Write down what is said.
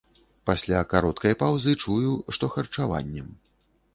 Пасля кароткай паўзы чую, што харчаваннем.